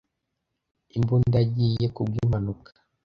Imbunda yagiye ku bw'impanuka.